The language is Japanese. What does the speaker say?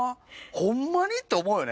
ホンマに？って思うよね